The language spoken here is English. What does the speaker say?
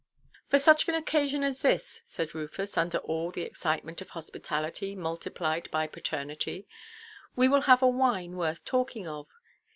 "For such an occasion as this," said Rufus, under all the excitement of hospitality multiplied by paternity, "we will have a wine worth talking of.